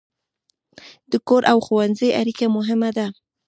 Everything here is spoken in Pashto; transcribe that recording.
د کور او ښوونځي اړیکه مهمه ده.